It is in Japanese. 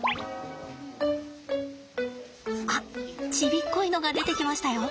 あっちびっこいのが出てきましたよ。